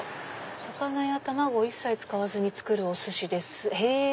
「魚や卵を一切使わずに作るお寿司です」。